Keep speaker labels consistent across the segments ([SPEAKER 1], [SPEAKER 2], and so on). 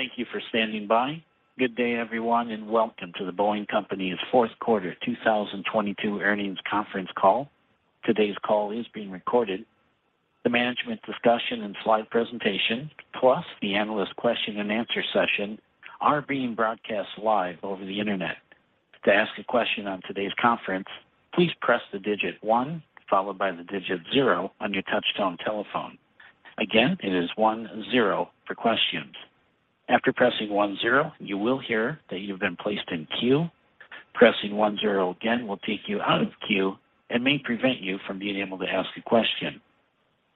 [SPEAKER 1] Thank you for standing by. Good day, everyone, and welcome to The Boeing Company's Fourth Quarter 2022 Earnings Conference Call. Today's call is being recorded. The management discussion and slide presentation, plus the analyst question-and-answer session are being broadcast live over the Internet. To ask a question on today's conference, please press the digit one, followed by the digit zero on your touchtone telephone. Again, it is one, zero for questions. After pressing one, zero, you will hear that you've been placed in queue. Pressing one, zero again will take you out of queue and may prevent you from being able to ask a question.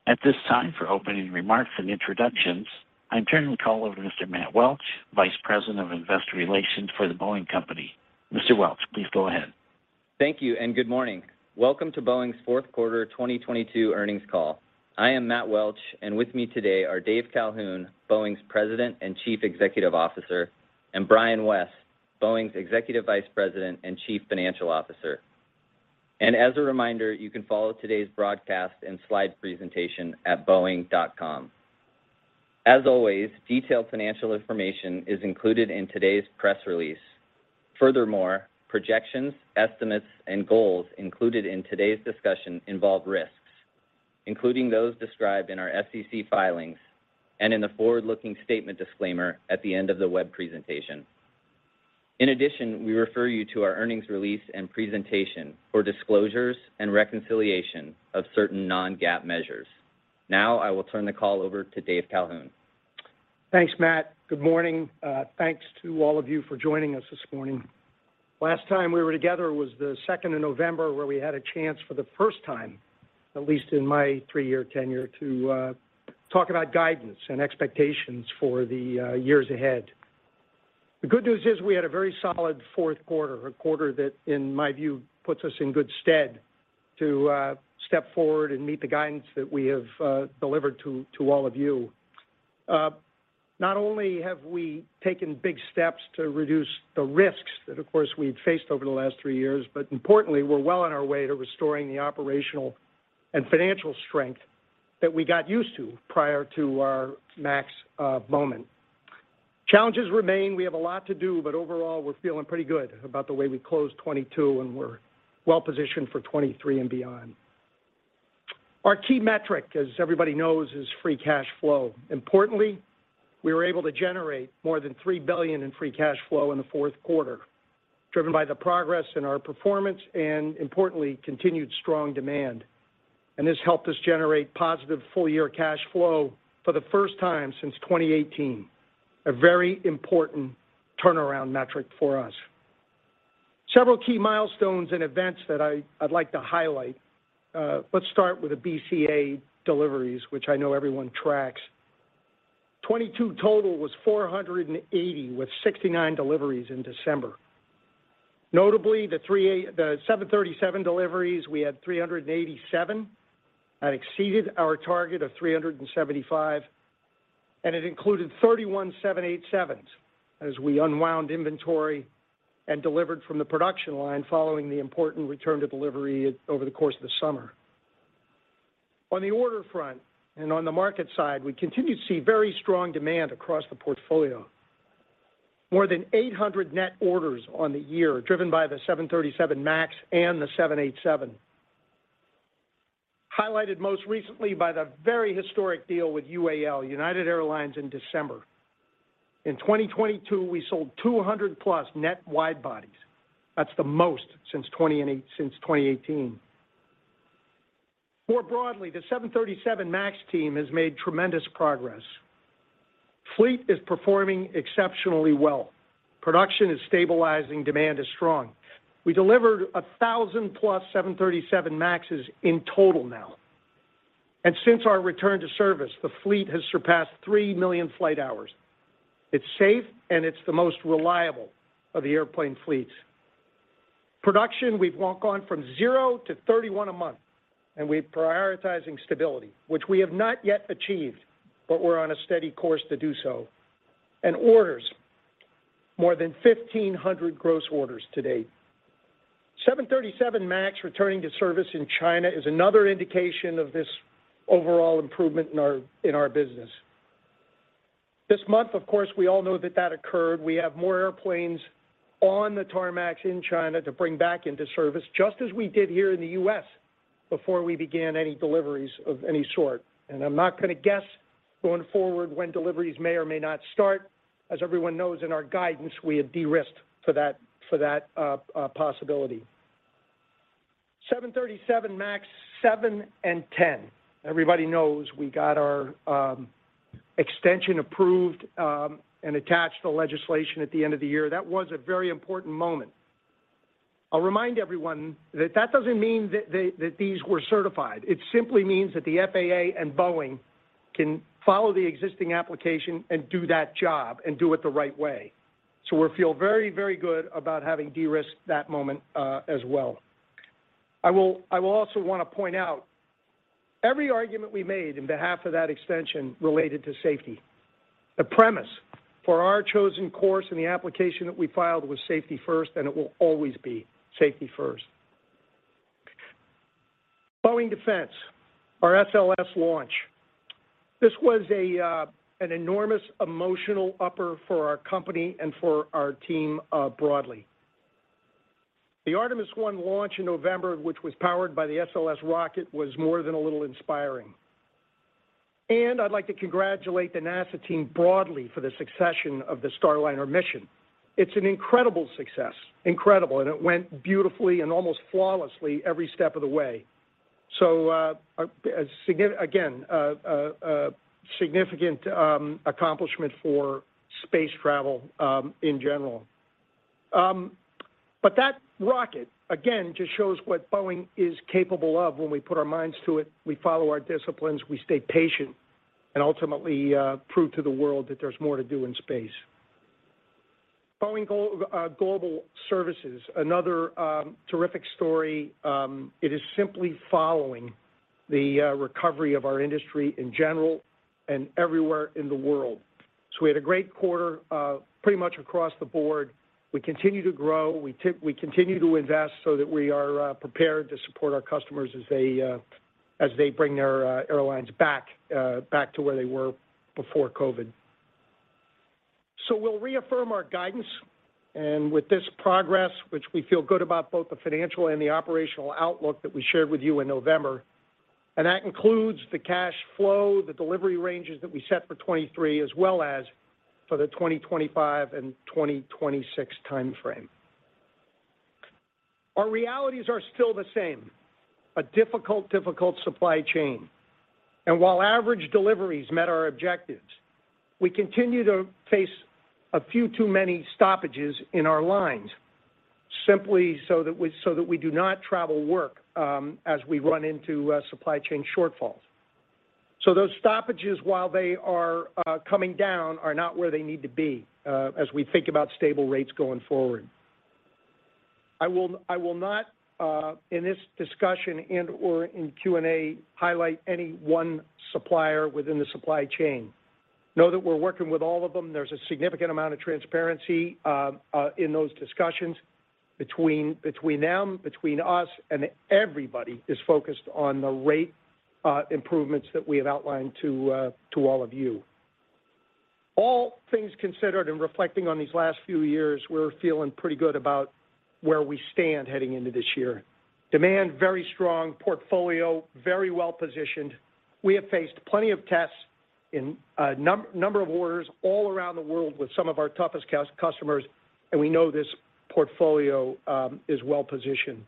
[SPEAKER 1] At this time, for opening remarks and introductions, I'm turning the call over to Mr. Matt Welch, Vice President of Investor Relations for The Boeing Company. Mr. Welch, please go ahead.
[SPEAKER 2] Thank you. Good morning. Welcome to Boeing's fourth quarter 2022 earnings call. I am Matt Welch. With me today are Dave Calhoun, Boeing's President and Chief Executive Officer, and Brian West, Boeing's Executive Vice President and Chief Financial Officer. As a reminder, you can follow today's broadcast and slide presentation at boeing.com. As always, detailed financial information is included in today's press release. Furthermore, projections, estimates, and goals included in today's discussion involve risks, including those described in our SEC filings and in the forward-looking statement disclaimer at the end of the web presentation. In addition, we refer you to our earnings release and presentation for disclosures and reconciliation of certain non-GAAP measures. Now I will turn the call over to Dave Calhoun.
[SPEAKER 3] Thanks, Matt. Good morning. Thanks to all of you for joining us this morning. Last time we were together was the second of November, where we had a chance for the first time, at least in my three-year tenure, to talk about guidance and expectations for the years ahead. The good news is we had a very solid fourth quarter, a quarter that, in my view, puts us in good stead to step forward and meet the guidance that we have delivered to all of you. Not only have we taken big steps to reduce the risks that, of course, we've faced over the last three years, importantly, we're well on our way to restoring the operational and financial strength that we got used to prior to our MAX moment. Challenges remain. We have a lot to do, but overall, we're feeling pretty good about the way we closed 2022, and we're well positioned for 2023 and beyond. Our key metric, as everybody knows, is Free Cash Flow. Importantly, we were able to generate more than $3 billion in Free Cash Flow in the fourth quarter, driven by the progress in our performance and, importantly, continued strong demand. This helped us generate positive full-year cash flow for the first time since 2018, a very important turnaround metric for us. Several key milestones and events that I'd like to highlight. Let's start with the BCA deliveries, which I know everyone tracks. 2022 total was 480, with 69 deliveries in December. Notably, the 737 deliveries, we had 387. That exceeded our target of 375, and it included 31 787s as we unwound inventory and delivered from the production line following the important return to delivery over the course of the summer. On the order front and on the market side, we continue to see very strong demand across the portfolio. More than 800 net orders on the year, driven by the 737 MAX and the 787. Highlighted most recently by the very historic deal with UAL, United Airlines, in December. In 2022, we sold 200+ net wide bodies. That's the most since 2018. More broadly, the 737 MAX team has made tremendous progress. Fleet is performing exceptionally well. Production is stabilizing. Demand is strong. We delivered 1,000+ 737 MAXs in total now. Since our return to service, the fleet has surpassed three million flight hours. It's safe, and it's the most reliable of the airplane fleets. Production, we've gone from zero to 31 a month, and we're prioritizing stability, which we have not yet achieved, but we're on a steady course to do so. Orders, more than 1,500 gross orders to date. 737 MAX returning to service in China is another indication of this overall improvement in our business. This month, of course, we all know that that occurred. We have more airplanes on the tarmacs in China to bring back into service, just as we did here in the U.S. before we began any deliveries of any sort. I'm not gonna guess going forward when deliveries may or may not start. As everyone knows, in our guidance, we have de-risked for that, for that possibility. 737 MAX 7 and 10. Everybody knows we got our extension approved and attached the legislation at the end of the year. That was a very important moment. I'll remind everyone that that doesn't mean that these were certified. It simply means that the FAA and Boeing can follow the existing application and do that job and do it the right way. We feel very, very good about having de-risked that moment as well. I will also wanna point out, every argument we made in behalf of that extension related to safety. The premise for our chosen course and the application that we filed was safety first, and it will always be safety first. Boeing Defense, our SLS launch. This was an enormous emotional upper for our company and for our team broadly. The Artemis I launch in November, which was powered by the SLS rocket, was more than a little inspiring. I'd like to congratulate the NASA team broadly for the succession of the Starliner mission. It's an incredible success. Incredible. It went beautifully and almost flawlessly every step of the way. Again, a significant accomplishment for space travel in general. But that rocket, again, just shows what Boeing is capable of when we put our minds to it, we follow our disciplines, we stay patient, and ultimately prove to the world that there's more to do in space. Boeing Global Services, another terrific story. It is simply following the recovery of our industry in general and everywhere in the world. We had a great quarter pretty much across the board. We continue to grow. We continue to invest so that we are prepared to support our customers as they bring their airlines back to where they were before COVID. We'll reaffirm our guidance and with this progress, which we feel good about both the financial and the operational outlook that we shared with you in November. That includes the cash flow, the delivery ranges that we set for 23, as well as for the 2025 and 2026 timeframe. Our realities are still the same, a difficult supply chain. While average deliveries met our objectives, we continue to face a few too many stoppages in our lines, simply so that we do not travel work as we run into supply chain shortfalls. Those stoppages, while they are coming down, are not where they need to be as we think about stable rates going forward. I will not in this discussion and/or in Q&A, highlight any one supplier within the supply chain. Know that we're working with all of them. There's a significant amount of transparency in those discussions between them, between us, and everybody is focused on the rate improvements that we have outlined to all of you. All things considered and reflecting on these last few years, we're feeling pretty good about where we stand heading into this year. Demand, very strong. Portfolio, very well-positioned. We have faced plenty of tests in a number of orders all around the world with some of our toughest customers. We know this portfolio is well-positioned.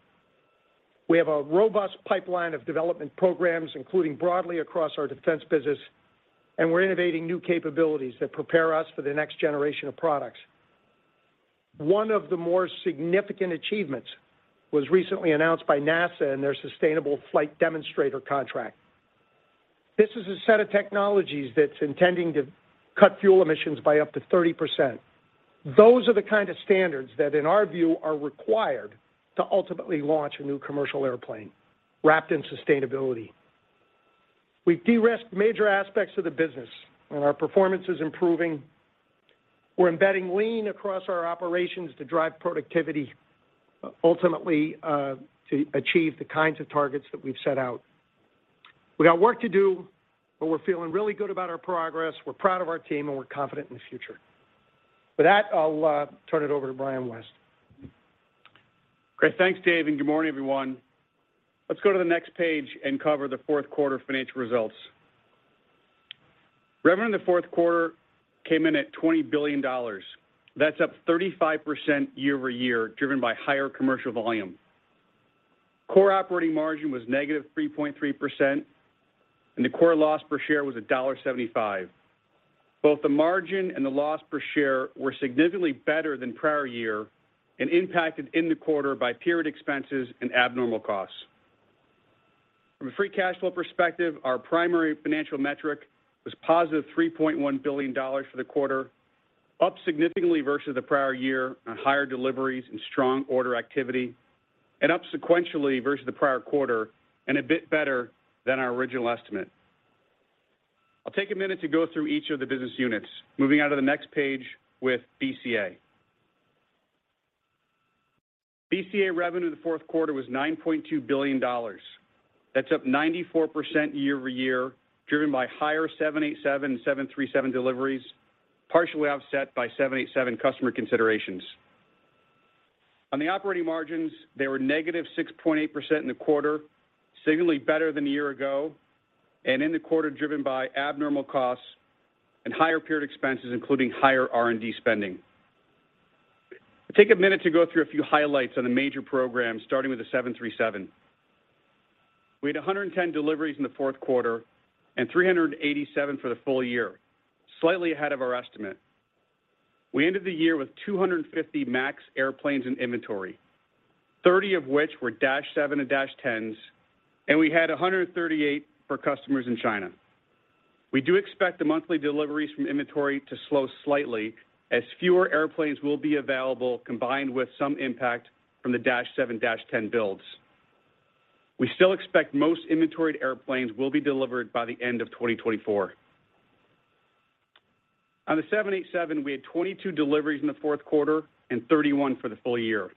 [SPEAKER 3] We have a robust pipeline of development programs, including broadly across our defense business. We're innovating new capabilities that prepare us for the next generation of products. One of the more significant achievements was recently announced by NASA and their Sustainable Flight Demonstrator contract. This is a set of technologies that's intending to cut fuel emissions by up to 30%. Those are the kind of standards that, in our view, are required to ultimately launch a new commercial airplane wrapped in sustainability. We've de-risked major aspects of the business. Our performance is improving. We're embedding Lean across our operations to drive productivity, ultimately, to achieve the kinds of targets that we've set out. We got work to do, but we're feeling really good about our progress. We're proud of our team, and we're confident in the future. With that, I'll turn it over to Brian West.
[SPEAKER 4] Great. Thanks, Dave. Good morning, everyone. Let's go to the next page and cover the fourth quarter financial results. Revenue in the fourth quarter came in at $20 billion. That's up 35% year-over-year, driven by higher commercial volume. Core operating margin was -3.3%, and the core loss per share was $1.75. Both the margin and the loss per share were significantly better than prior year and impacted in the quarter by period expenses and abnormal costs. From a Free Cash Flow perspective, our primary financial metric was +$3.1 billion for the quarter, up significantly versus the prior year on higher deliveries and strong order activity, and up sequentially versus the prior quarter and a bit better than our original estimate. I'll take a minute to go through each of the business units, moving on to the next page with BCA. BCA revenue in the fourth quarter was $9.2 billion. That's up 94% year-over-year, driven by higher 787 and 737 deliveries, partially offset by 787 customer considerations. On the operating margins, they were negative 6.8% in the quarter, significantly better than a year ago, and in the quarter, driven by abnormal costs and higher period expenses, including higher R&D spending. I'll take a minute to go through a few highlights on the major programs, starting with the 737. We had 110 deliveries in the fourth quarter and 387 for the full year, slightly ahead of our estimate. We ended the year with 250 MAX airplanes in inventory, 30 of which were dash 7 and dash 10s, and we had 138 for customers in China. We do expect the monthly deliveries from inventory to slow slightly as fewer airplanes will be available, combined with some impact from the dash 7, dash 10 builds. We still expect most inventoried airplanes will be delivered by the end of 2024. On the 787, we had 22 deliveries in the fourth quarter and 31 for the full year.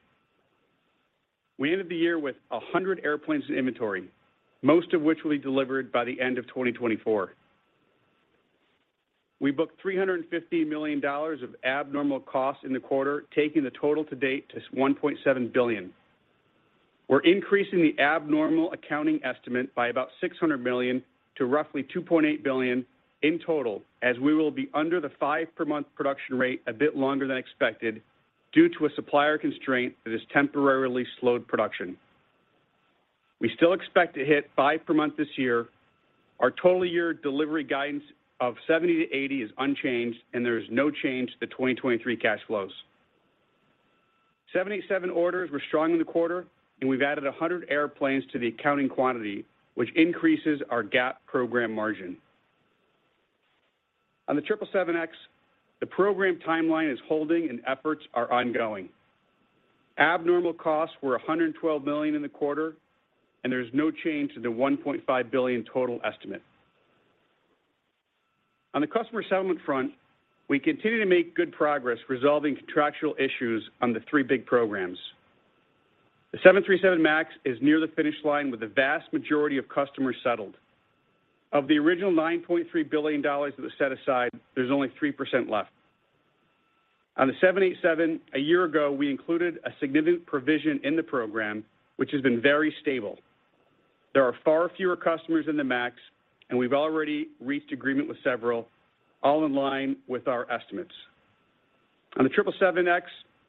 [SPEAKER 4] We ended the year with 100 airplanes in inventory, most of which will be delivered by the end of 2024. We booked $350 million of abnormal costs in the quarter, taking the total to date to $1.7 billion. We're increasing the abnormal accounting estimate by about $600 million to roughly $2.8 billion in total as we will be under the 5 per month production rate a bit longer than expected due to a supplier constraint that has temporarily slowed production. We still expect to hit 5 per month this year. Our total year delivery guidance of 70-80 is unchanged, and there is no change to the 2023 cash flows. 787 orders were strong in the quarter, and we've added 100 airplanes to the accounting quantity, which increases our GAAP program margin. On the 777X, the program timeline is holding and efforts are ongoing. Abnormal costs were $112 million in the quarter, and there's no change to the $1.5 billion total estimate. On the customer settlement front, we continue to make good progress resolving contractual issues on the three big programs. The 737 MAX is near the finish line with the vast majority of customers settled. Of the original $9.3 billion that was set aside, there's only 3% left. On the 787, a year ago, we included a significant provision in the program which has been very stable. There are far fewer customers than the MAX, and we've already reached agreement with several, all in line with our estimates. On the 777X,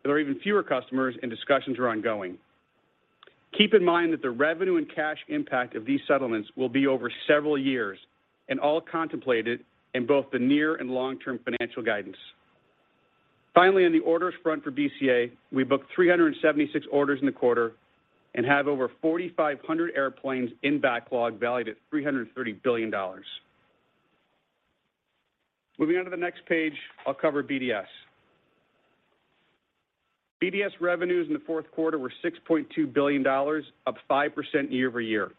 [SPEAKER 4] there are even fewer customers and discussions are ongoing. Keep in mind that the revenue and cash impact of these settlements will be over several years and all contemplated in both the near and long-term financial guidance. On the orders front for BCA, we booked 376 orders in the quarter and have over 4,500 airplanes in backlog valued at $330 billion. Moving on to the next page, I'll cover BDS. BDS revenues in the fourth quarter were $6.2 billion, up 5% year-over-year.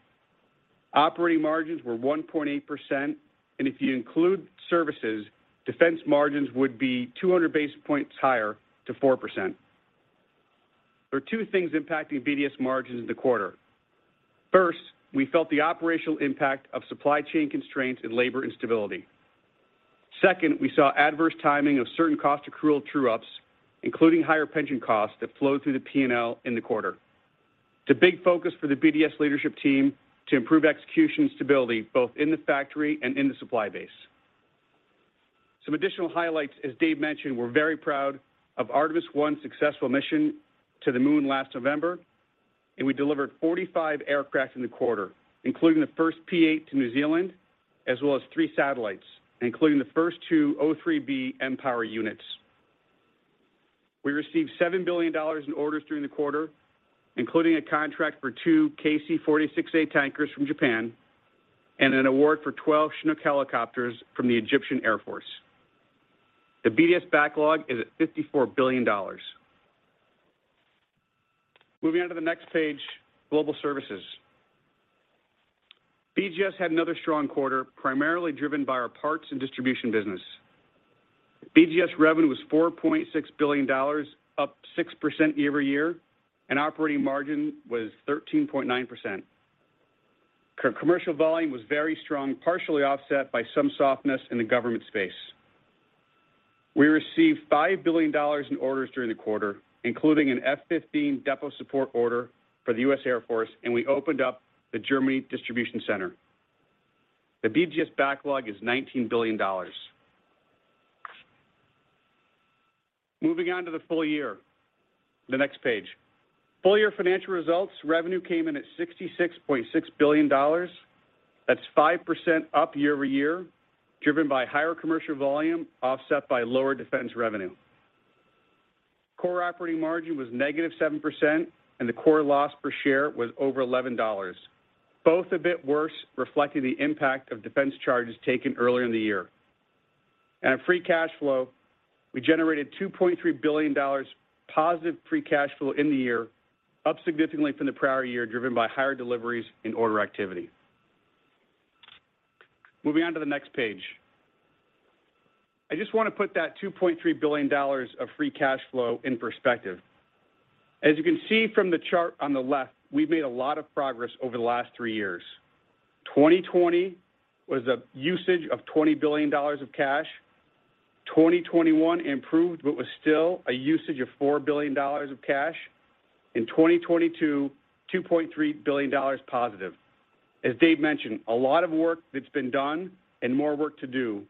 [SPEAKER 4] Operating margins were 1.8%, and if you include services, defense margins would be 200 basis points higher to 4%. There are two things impacting BDS margins in the quarter. First, we felt the operational impact of supply chain constraints and labor instability. Second, we saw adverse timing of certain cost accrual true ups, including higher pension costs that flowed through the P&L in the quarter. It's a big focus for the BDS leadership team to improve execution stability, both in the factory and in the supply base. Some additional highlights, as Dave mentioned, we're very proud of Artemis I successful mission to the moon last November, and we delivered 45 aircraft in the quarter, including the first P-8 to New Zealand as well as three satellites, including the first two O3b mPOWER units. We received $7 billion in orders during the quarter, including a contract for two KC-46A tankers from Japan and an award for 12 Chinook helicopters from the Egyptian Air Force. The BDS backlog is at $54 billion. Moving on to the next page, global services. BGS had another strong quarter, primarily driven by our parts and distribution business. BGS revenue was $4.6 billion, up 6% year-over-year, and operating margin was 13.9%. Commercial volume was very strong, partially offset by some softness in the government space. We received $5 billion in orders during the quarter, including an F-15 depot support order for the U.S. Air Force, and we opened up the Germany distribution center. The BGS backlog is $19 billion. Moving on to the full year. The next page. Full year financial results, revenue came in at $66.6 billion. That's 5% up year-over-year, driven by higher commercial volume, offset by lower defense revenue. Core operating margin was negative 7%, and the core loss per share was over $11, both a bit worse, reflecting the impact of defense charges taken earlier in the year. At Free Cash Flow, we generated $2.3 billion positive Free Cash Flow in the year, up significantly from the prior year, driven by higher deliveries and order activity. Moving on to the next page. I just want to put that $2.3 billion of Free Cash Flow in perspective. As you can see from the chart on the left, we've made a lot of progress over the last three years. 2020 was a usage of $20 billion of cash. 2021 improved but was still a usage of $4 billion of cash. In 2022, $2.3 billion positive. As Dave mentioned, a lot of work that's been done and more work to do,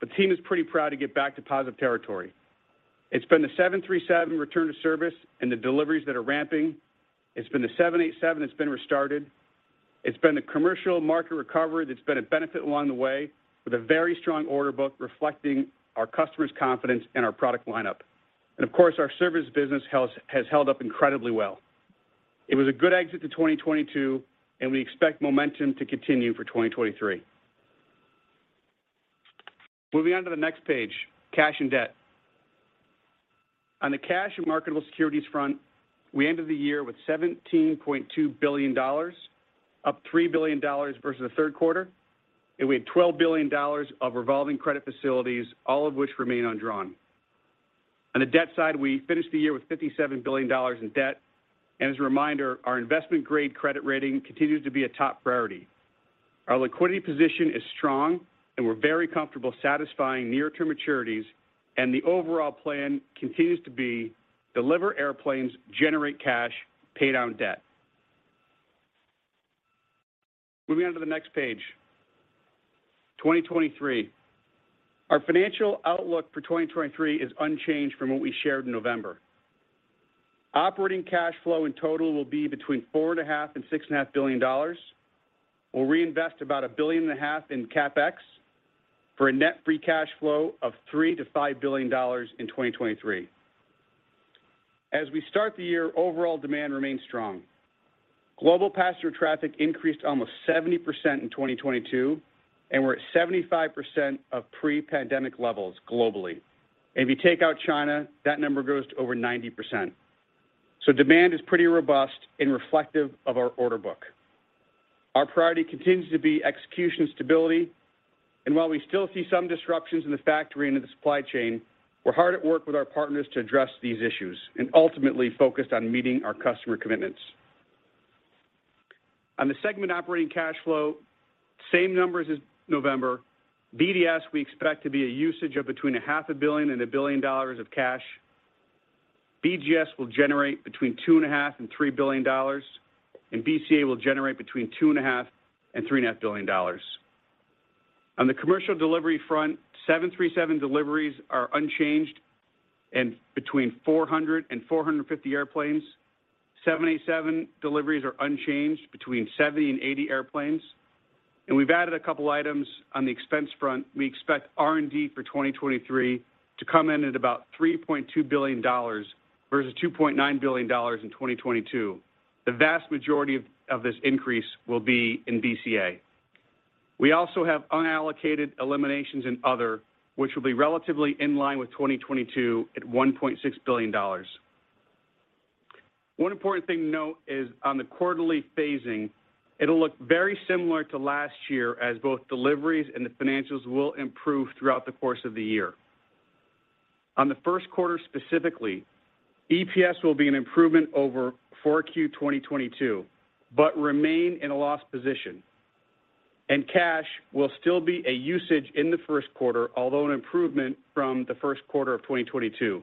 [SPEAKER 4] but the team is pretty proud to get back to positive territory. It's been the 737 return to service and the deliveries that are ramping. It's been the 787 that's been restarted. It's been the commercial market recovery that's been a benefit along the way with a very strong order book reflecting our customers' confidence in our product lineup. Of course, our service business has held up incredibly well. It was a good exit to 2022, and we expect momentum to continue for 2023. Moving on to the next page, cash and debt. On the cash and marketable securities front, we ended the year with $17.2 billion, up $3 billion versus the third quarter, and we had $12 billion of revolving credit facilities, all of which remain undrawn. On the debt side, we finished the year with $57 billion in debt. As a reminder, our investment-grade credit rating continues to be a top priority. Our liquidity position is strong. We're very comfortable satisfying near-term maturities. The overall plan continues to be deliver airplanes, generate cash, pay down debt. Moving on to the next page. 2023. Our financial outlook for 2023 is unchanged from what we shared in November. Operating cash flow in total will be between $4.5 billion and $6.5 billion. We'll reinvest about $1.5 billion in CapEx for a net Free Cash Flow of $3 billion-$5 billion in 2023. As we start the year, overall demand remains strong. Global passenger traffic increased almost 70% in 2022. We're at 75% of pre-pandemic levels globally. If you take out China, that number goes to over 90%. Demand is pretty robust and reflective of our order book. While we still see some disruptions in the factory and in the supply chain, we're hard at work with our partners to address these issues and ultimately focused on meeting our customer commitments. The segment operating cash flow, same numbers as November. BDS, we expect to be a usage of between a half a billion and $1 billion of cash. BGS will generate between $2.5 billion-$3 billion, and BCA will generate between $2.5 billion-$3.5 billion. The commercial delivery front, 737 deliveries are unchanged and between 400-450 airplanes. 787 deliveries are unchanged between 70 and 80 airplanes. We've added a couple items on the expense front. We expect R&D for 2023 to come in at about $3.2 billion versus $2.9 billion in 2022. The vast majority of this increase will be in BCA. We also have unallocated eliminations and other, which will be relatively in line with 2022 at $1.6 billion. One important thing to note is on the quarterly phasing, it'll look very similar to last year as both deliveries and the financials will improve throughout the course of the year. On the first quarter specifically, EPS will be an improvement over 4Q 2022 but remain in a loss position. Cash will still be a usage in the first quarter, although an improvement from the first quarter of 2022.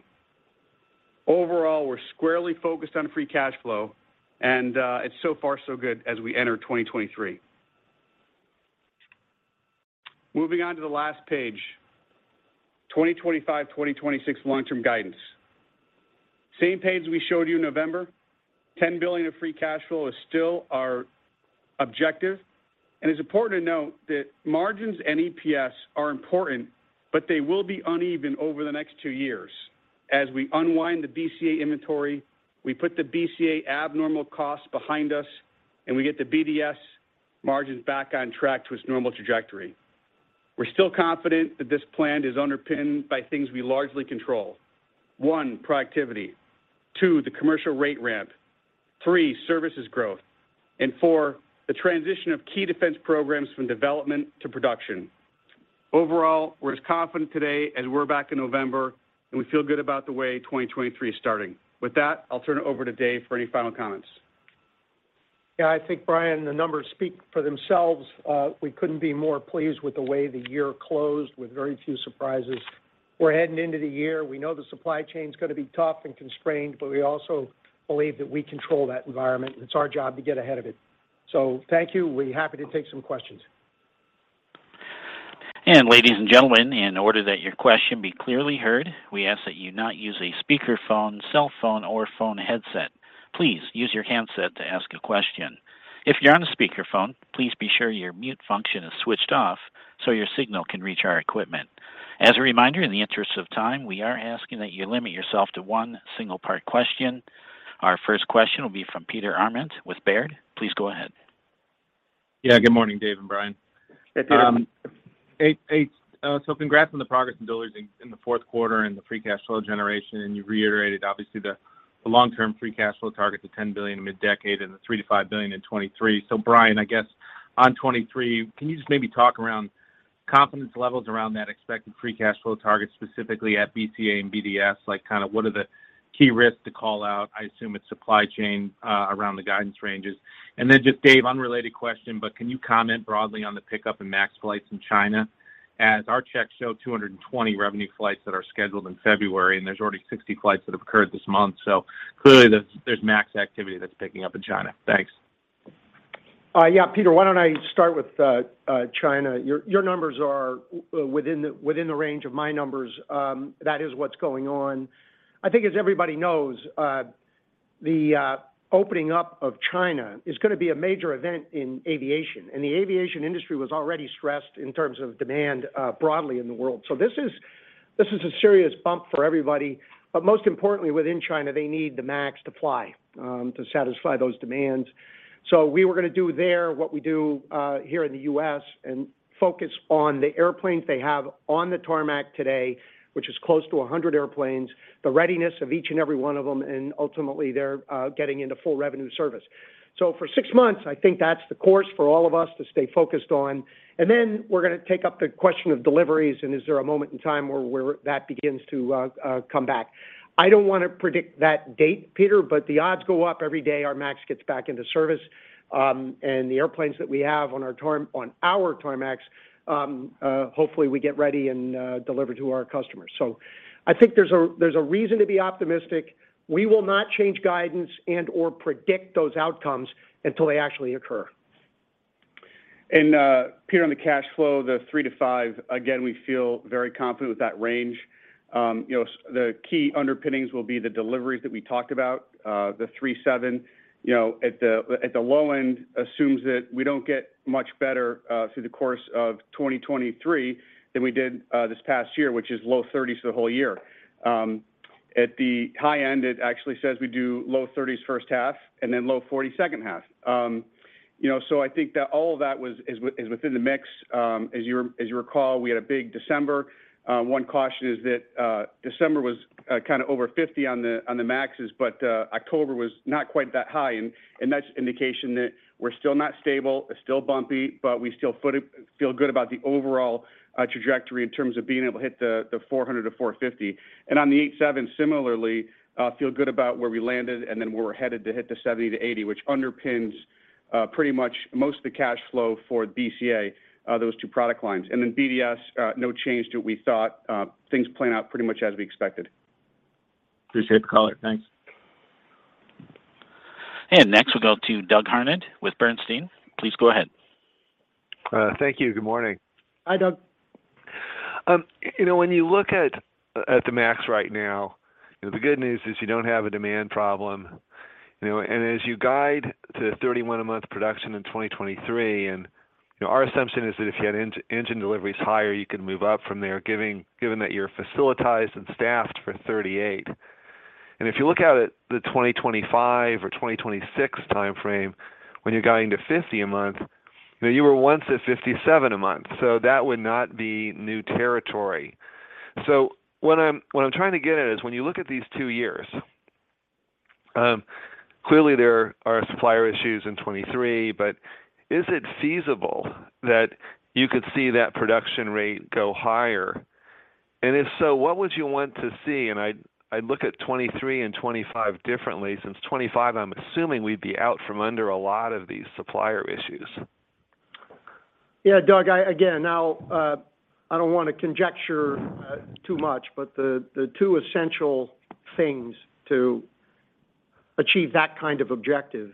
[SPEAKER 4] Overall, we're squarely focused on Free Cash Flow, and it's so far so good as we enter 2023. Moving on to the last page. 2025, 2026 long-term guidance. Same page we showed you in November. $10 billion of Free Cash Flow is still our objective. It's important to note that margins and EPS are important, but they will be uneven over the next two years as we unwind the BCA inventory, we put the BCA abnormal costs behind us, and we get the BDS margins back on track to its normal trajectory. We're still confident that this plan is underpinned by things we largely control. One, productivity. Two, the commercial rate ramp. Three, services growth. Four, the transition of key defense programs from development to production. Overall, we're as confident today as we were back in November, and we feel good about the way 2023 is starting. With that, I'll turn it over to Dave for any final comments.
[SPEAKER 3] Yeah, I think, Brian, the numbers speak for themselves. We couldn't be more pleased with the way the year closed with very few surprises. We're heading into the year. We know the supply chain is going to be tough and constrained. We also believe that we control that environment, and it's our job to get ahead of it. Thank you. We're happy to take some questions.
[SPEAKER 1] Ladies and gentlemen, in order that your question be clearly heard, we ask that you not use a speakerphone, cell phone, or phone headset. Please use your handset to ask a question. If you're on a speakerphone, please be sure your mute function is switched off so your signal can reach our equipment. As a reminder, in the interest of time, we are asking that you limit yourself to one single part question. Our first question will be from Peter Arment with Baird. Please go ahead.
[SPEAKER 5] Yeah, good morning, Dave and Brian.
[SPEAKER 3] Hey, Peter.
[SPEAKER 5] Hey, hey, congrats on the progress and deliveries in the fourth quarter and the Free Cash Flow generation. You've reiterated obviously the long-term Free Cash Flow target to $10 billion mid-decade and the $3 billion-$5 billion in 2023. Brian, I guess on 2023, can you just maybe talk around confidence levels around that expected Free Cash Flow target, specifically at BCA and BDS? Like, kind of what are the key risks to call out? I assume it's supply chain around the guidance ranges. Just Dave, unrelated question, can you comment broadly on the pickup in MAX flights in China? Our checks show 220 revenue flights that are scheduled in February, there's already 60 flights that have occurred this month. Clearly there's MAX activity that's picking up in China. Thanks.
[SPEAKER 3] Yeah, Peter, why don't I start with China? Your numbers are within the range of my numbers. That is what's going on. I think as everybody knows, the opening up of China is gonna be a major event in aviation, and the aviation industry was already stressed in terms of demand broadly in the world. This is a serious bump for everybody, but most importantly, within China, they need the MAX to fly to satisfy those demands. We were gonna do there what we do here in the U.S. and focus on the airplanes they have on the tarmac today, which is close to 100 airplanes, the readiness of each and every one of them, and ultimately, they're getting into full revenue service. For six months, I think that's the course for all of us to stay focused on. Then we're gonna take up the question of deliveries, and is there a moment in time where that begins to come back. I don't wanna predict that date, Peter, but the odds go up every day our MAX gets back into service, and the airplanes that we have on our tarmacs, hopefully we get ready and delivered to our customers. I think there's a reason to be optimistic. We will not change guidance and/or predict those outcomes until they actually occur.
[SPEAKER 4] Peter, on the cash flow, the three to five, again, we feel very confident with that range. You know, the key underpinnings will be the deliveries that we talked about, the 737, you know, at the low end assumes that we don't get much better through the course of 2023 than we did this past year, which is low 30s for the whole year. At the high end, it actually says we do low 30s first half and then low 40s second half. You know, I think that all of that is within the mix. As you recall, we had a big December. One caution is that December was kind of over 50 on the MAXs, but October was not quite that high and that's indication that we're still not stable, it's still bumpy, but we still feel good about the overall trajectory in terms of being able to hit the 400-450. On the H seven similarly, feel good about where we landed and then where we're headed to hit the 70-80, which underpins pretty much most of the cash flow for BCA, those two product lines. BDS, no change to what we thought. Things playing out pretty much as we expected.
[SPEAKER 5] Appreciate the color. Thanks.
[SPEAKER 1] Next we'll go to Doug Harned with Bernstein. Please go ahead.
[SPEAKER 6] Thank you. Good morning.
[SPEAKER 3] Hi, Doug.
[SPEAKER 6] You know, when you look at the MAX right now, you know, the good news is you don't have a demand problem, you know. As you guide to 31 a month production in 2023, and, you know, our assumption is that if you had engine deliveries higher, you can move up from there, given that you're facilitized and staffed for 38. If you look out at the 2025 or 2026 timeframe, when you're going to 50 a month, you know, you were once at 57 a month, so that would not be new territory. What I'm trying to get at is when you look at these two years, clearly there are supplier issues in 2023, but is it feasible that you could see that production rate go higher? If so, what would you want to see? I look at 2023 and 2025 differently, since 2025, I'm assuming we'd be out from under a lot of these supplier issues.
[SPEAKER 3] Yeah. Doug, again, now, I don't wanna conjecture too much, but the two essential things to achieve that kind of objective,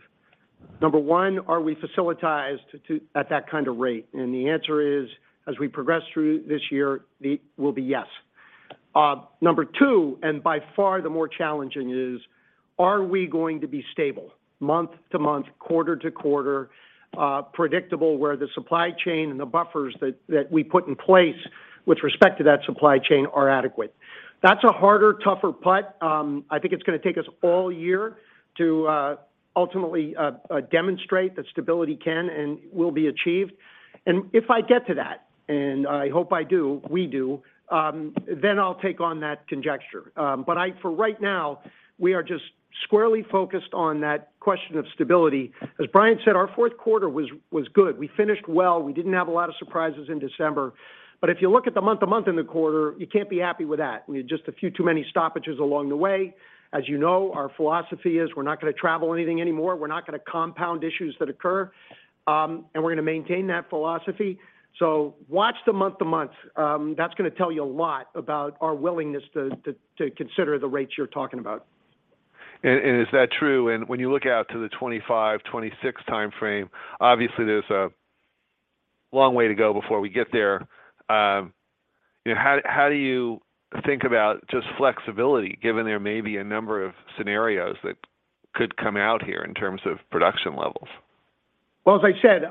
[SPEAKER 3] number one, are we facilitized at that kind of rate? The answer is, as we progress through this year, will be yes. Number two, and by far the more challenging, is are we going to be stable month to month, quarter to quarter, predictable where the supply chain and the buffers that we put in place with respect to that supply chain are adequate? That's a harder, tougher putt. I think it's gonna take us all year to ultimately demonstrate that stability can and will be achieved. If I get to that, and I hope I do, we do, then I'll take on that conjecture. For right now, we are just squarely focused on that question of stability. As Brian said, our fourth quarter was good. We finished well. We didn't have a lot of surprises in December. If you look at the month-to-month in the quarter, you can't be happy with that. You know, just a few too many stoppages along the way. As you know, our philosophy is we're not gonna travel anything anymore. We're not gonna compound issues that occur, and we're gonna maintain that philosophy. Watch the month-to-month. That's gonna tell you a lot about our willingness to consider the rates you're talking about.
[SPEAKER 6] Is that true? When you look out to the 2025, 2026 timeframe, obviously there's a long way to go before we get there. You know, how do you think about just flexibility, given there may be a number of scenarios that could come out here in terms of production levels?
[SPEAKER 3] Well, as I said,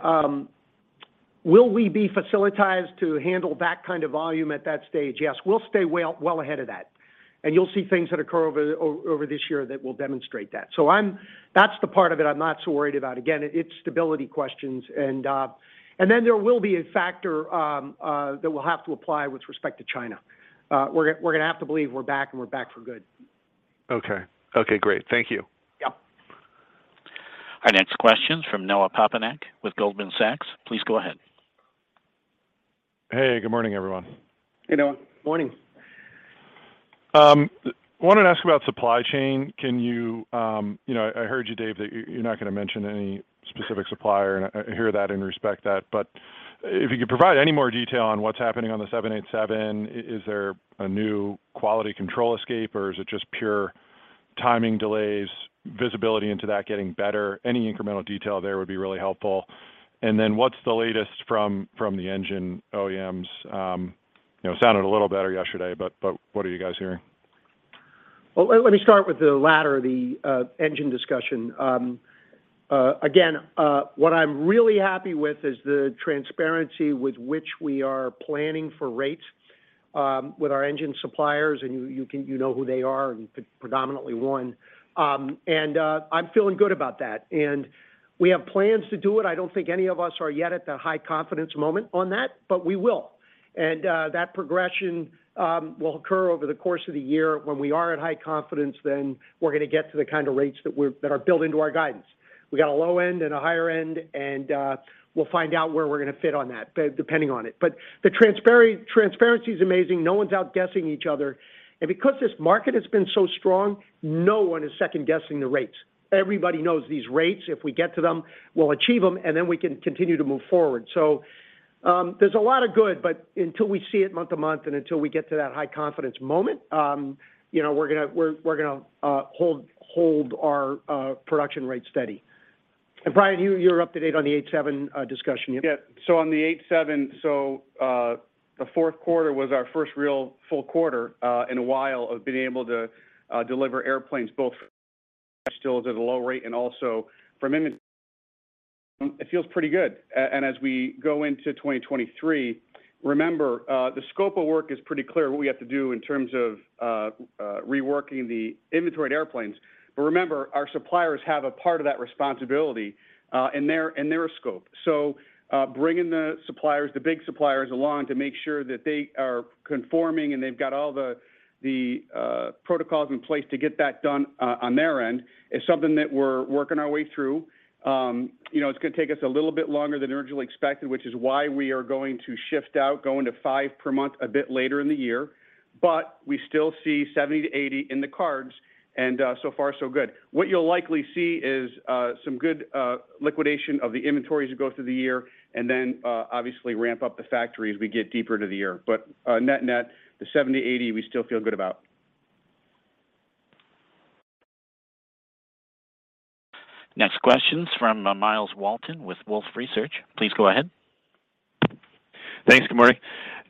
[SPEAKER 3] will we be facilitized to handle that kind of volume at that stage? Yes. We'll stay well ahead of that. You'll see things that occur over this year that will demonstrate that. That's the part of it I'm not so worried about. Again, it's stability questions and then there will be a factor that we'll have to apply with respect to China. We're gonna have to believe we're back and we're back for good.
[SPEAKER 6] Okay. Okay, great. Thank you.
[SPEAKER 3] Yep.
[SPEAKER 1] Our next question's from Noah Poponak with Goldman Sachs. Please go ahead.
[SPEAKER 7] Hey, good morning, everyone.
[SPEAKER 3] Hey, Noah. Morning.
[SPEAKER 7] Wanted to ask about supply chain. Can you know, I heard you, Dave, that you're not gonna mention any specific supplier, and I hear that and respect that. If you could provide any more detail on what's happening on the 787, is there a new quality control escape, or is it just pure timing delays, visibility into that getting better? Any incremental detail there would be really helpful. What's the latest from the engine OEMs? You know, it sounded a little better yesterday, but what are you guys hearing?
[SPEAKER 3] Let me start with the latter, the engine discussion. What I'm really happy with is the transparency with which we are planning for rates with our engine suppliers, and You know who they are, and predominantly one. I'm feeling good about that. We have plans to do it. I don't think any of us are yet at the high confidence moment on that, but we will. That progression will occur over the course of the year when we are at high confidence, then we're gonna get to the kind of rates that are built into our guidance. We got a low end and a higher end, we'll find out where we're gonna fit on that depending on it. The transparency is amazing. No one's outguessing each other. Because this market has been so strong, no one is second-guessing the rates. Everybody knows these rates. If we get to them, we'll achieve them, then we can continue to move forward. There's a lot of good, but until we see it month-to-month and until we get to that high confidence moment, you know, we're gonna hold our production rate steady. Brian, you're up to date on the 787 discussion.
[SPEAKER 4] Yeah. On the 787, the fourth quarter was our first real full quarter in a while of being able to deliver airplanes, both Still at a low rate and also from. It feels pretty good. And as we go into 2023, remember, the scope of work is pretty clear, what we have to do in terms of, reworking the inventoried airplanes. Remember, our suppliers have a part of that responsibility, in their scope. Bringing the suppliers, the big suppliers along to make sure that they are conforming and they've got all the protocols in place to get that done, on their end is something that we're working our way through. You know, it's gonna take us a little bit longer than originally expected, which is why we are going to shift out, going to 5 per month a bit later in the year. We still see 70 to 80 in the cards, and so far, so good. What you'll likely see is, some good, liquidation of the inventories as we go through the year, and then, obviously ramp up the factory as we get deeper into the year. Net-net, the 70-80, we still feel good about.
[SPEAKER 1] Next question's from Myles Walton with Wolfe Research. Please go ahead.
[SPEAKER 8] Thanks. Good morning.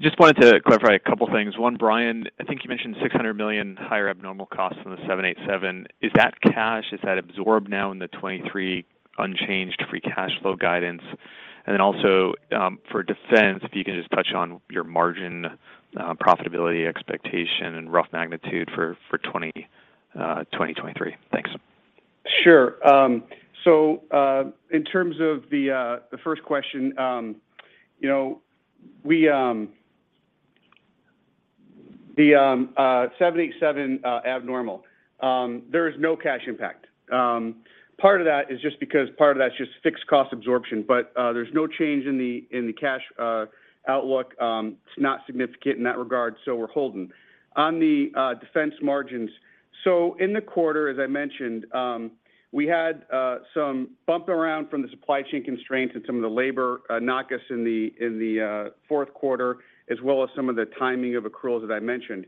[SPEAKER 8] Just wanted to clarify a couple of things. One, Brian, I think you mentioned $600 million higher abnormal costs on the 787. Is that cash, is that absorbed now in the 2023 unchanged Free Cash Flow guidance? Also, for defense, if you can just touch on your margin profitability expectation and rough magnitude for 2023. Thanks.
[SPEAKER 4] Sure. In terms of the first question, you know, we. THe 787 abnormal, there is no cash impact. Part of that is just because part of that is just fixed cost absorption, but there's no change in the cash outlook. It's not significant in that regard, so we're holding. On the defense margins, in the quarter, as I mentioned, we had some bumping around from the supply chain constraints and some of the labor knocks in the fourth quarter, as well as some of the timing of accruals that I mentioned.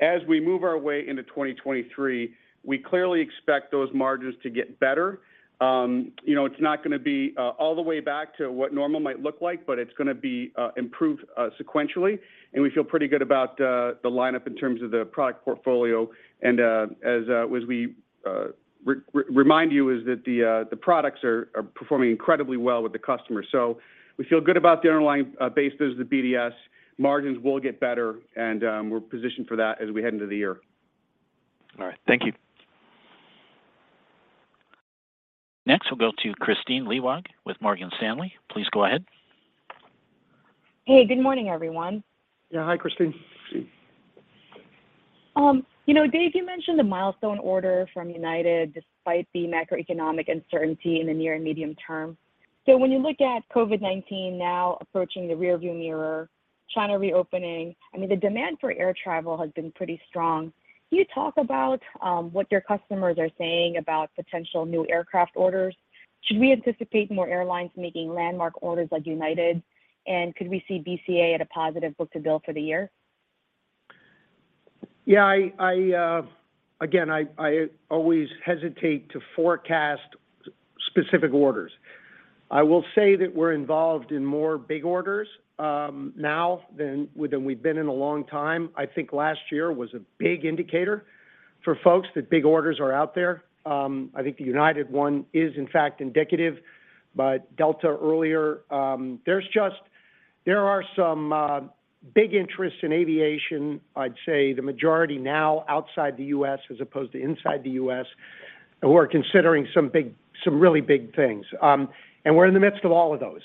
[SPEAKER 4] As we move our way into 2023, we clearly expect those margins to get better. You know, it's not gonna be all the way back to what normal might look like, but it's gonna be improved sequentially. We feel pretty good about the lineup in terms of the product portfolio. As we remind you, is that the products are performing incredibly well with the customer. We feel good about the underlying base business, the BDS. Margins will get better, and we're positioned for that as we head into the year.
[SPEAKER 8] All right. Thank you.
[SPEAKER 1] Next, we'll go to Kristine Liwag with Morgan Stanley. Please go ahead.
[SPEAKER 9] Hey, good morning, everyone.
[SPEAKER 3] Yeah. Hi, Kristine.
[SPEAKER 9] you know, Dave, you mentioned the milestone order from United despite the macroeconomic uncertainty in the near and medium term. When you look at COVID-19 now approaching the rearview mirror, China reopening, I mean, the demand for air travel has been pretty strong. Can you talk about what your customers are saying about potential new aircraft orders? Should we anticipate more airlines making landmark orders like United? Could we see BCA at a positive book-to-bill for the year?
[SPEAKER 3] Yeah, I, again, I always hesitate to forecast specific orders. I will say that we're involved in more big orders now than we've been in a long time. I think last year was a big indicator for folks that big orders are out there. I think the United one is, in fact, indicative, but Delta earlier. There are some big interest in aviation, I'd say the majority now outside the U.S. as opposed to inside the U.S., who are considering some big, some really big things. We're in the midst of all of those.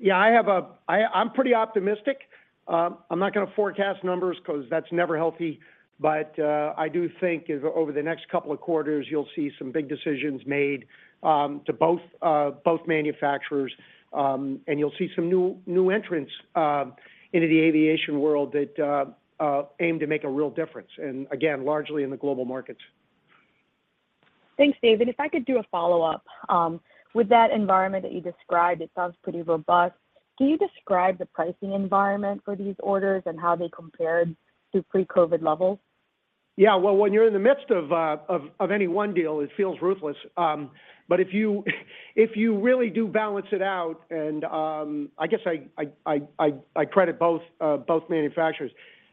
[SPEAKER 3] Yeah, I'm pretty optimistic. I'm not gonna forecast numbers because that's never healthy. I do think over the next couple of quarters, you'll see some big decisions made to both manufacturers, and you'll see some new entrants into the aviation world that aim to make a real difference, and again, largely in the global markets.
[SPEAKER 9] Thanks, Dave. If I could do a follow-up. With that environment that you described, it sounds pretty robust. Can you describe the pricing environment for these orders and how they compared to pre-COVID levels?
[SPEAKER 3] Yeah. Well, when you're in the midst of any one deal, it feels ruthless. If you really do balance it out and I guess I credit both manufacturers.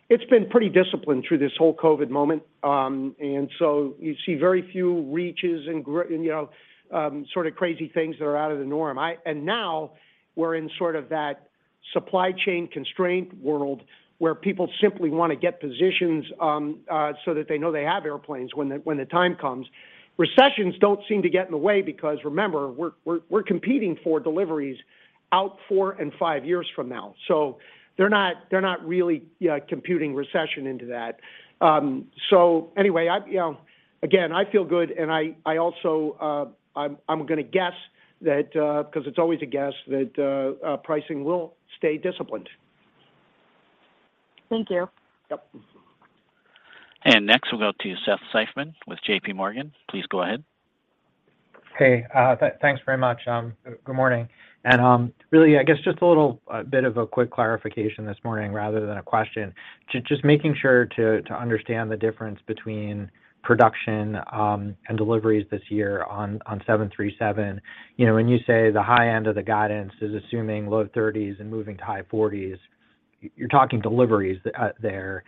[SPEAKER 3] It's been pretty disciplined through this whole COVID moment. You see very few reaches and, you know, sort of crazy things that are out of the norm. Now we're in sort of that supply chain constraint world where people simply wanna get positions so that they know they have airplanes when the time comes. Recessions don't seem to get in the way because remember, we're competing for deliveries out four and five years from now. They're not, they're not really, yeah, computing recession into that. Anyway, I, you know, again, I feel good, and I also, I'm gonna guess that 'cause it's always a guess, that pricing will stay disciplined.
[SPEAKER 9] Thank you.
[SPEAKER 3] Yep.
[SPEAKER 1] Next, we'll go to Seth Seifman with JPMorgan. Please go ahead.
[SPEAKER 10] Hey. Thanks very much. Good morning. Really, I guess just a little bit of a quick clarification this morning rather than a question. Just making sure to understand the difference between production and deliveries this year on 737. You know, when you say the high end of the guidance is assuming low 30s and moving to high 40s, you're talking deliveries there.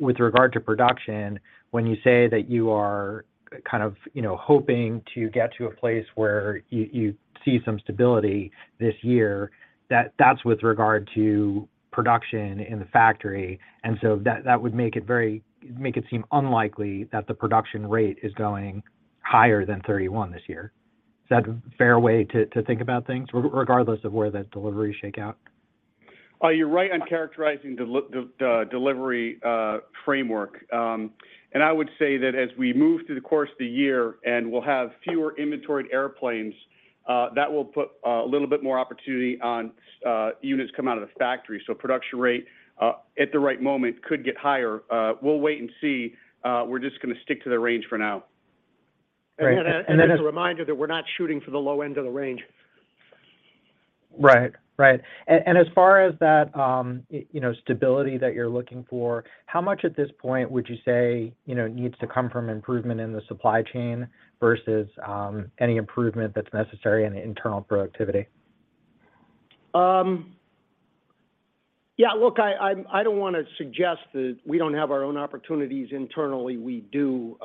[SPEAKER 10] With regard to production, when you say that you are kind of, you know, hoping to get to a place where you see some stability this year, that's with regard to production in the factory. That would make it seem unlikely that the production rate is going higher than 31 this year. Is that a fair way to think about things regardless of where the deliveries shake out?
[SPEAKER 4] You're right on characterizing the delivery framework. I would say that as we move through the course of the year and we'll have fewer inventoried airplanes, that will put a little bit more opportunity on units come out of the factory. Production rate at the right moment could get higher. We'll wait and see. We're just gonna stick to the range for now.
[SPEAKER 10] Great.
[SPEAKER 3] As a reminder that we're not shooting for the low end of the range.
[SPEAKER 10] Right. Right. As far as that, you know, stability that you're looking for, how much at this point would you say, you know, needs to come from improvement in the supply chain versus, any improvement that's necessary in the internal productivity?
[SPEAKER 3] Yeah, look, I don't wanna suggest that we don't have our own opportunities internally, we do,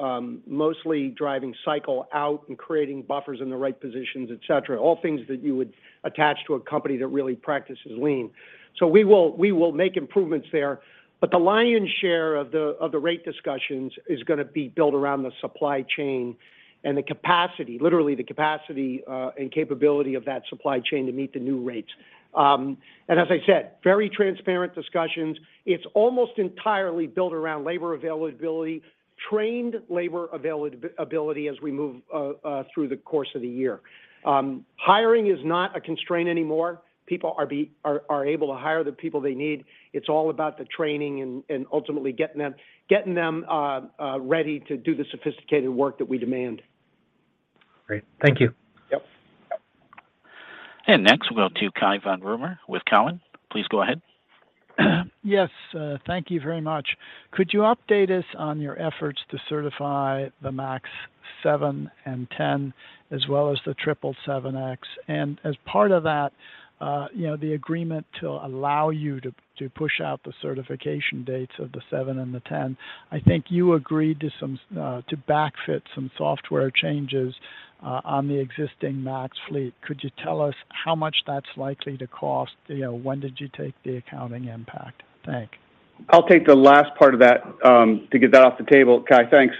[SPEAKER 3] mostly driving cycle out and creating buffers in the right positions, et cetera. All things that you would attach to a company that really practices lean. We will make improvements there. The lion's share of the rate discussions is gonna be built around the supply chain and the capacity. Literally, the capacity and capability of that supply chain to meet the new rates. As I said, very transparent discussions. It's almost entirely built around labor availability, trained labor availability as we move through the course of the year. Hiring is not a constraint anymore. People are able to hire the people they need. It's all about the training and ultimately getting them ready to do the sophisticated work that we demand.
[SPEAKER 10] Great. Thank you.
[SPEAKER 3] Yep.
[SPEAKER 1] Next, we'll go to Cai von Rumohr with Cowen. Please go ahead.
[SPEAKER 11] Yes, thank you very much. Could you update us on your efforts to certify the MAX 7 and 10 as well as the 777X? As part of that, you know, the agreement to allow you to push out the certification dates of the 7 and the 10. I think you agreed to some to backfit some software changes on the existing MAX fleet. Could you tell us how much that's likely to cost? You know, when did you take the accounting impact? Thank you.
[SPEAKER 3] I'll take the last part of that, to get that off the table. Cai, thanks.